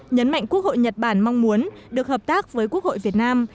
nhấn mạnh quốc hội nhật bản mong muốn được hợp tác với quốc hội việt nam